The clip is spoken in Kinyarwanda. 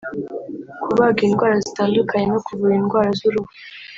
kubaga indwara zitandukanye no kuvura indwara z’uruhu